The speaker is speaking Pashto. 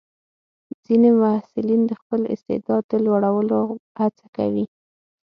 ځینې محصلین د خپل استعداد لوړولو هڅه کوي.